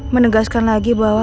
menegaskan lagi bahwa